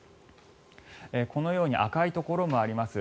このように赤いところもあります。